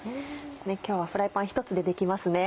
今日はフライパン１つでできますね。